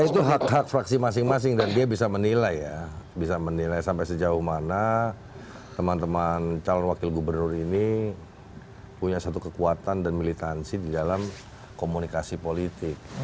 ya itu hak hak fraksi masing masing dan dia bisa menilai ya bisa menilai sampai sejauh mana teman teman calon wakil gubernur ini punya satu kekuatan dan militansi di dalam komunikasi politik